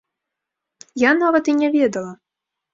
Я нават і не ведала!